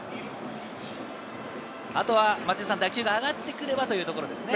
あとは松井さん、打球が上がってくればというところですね。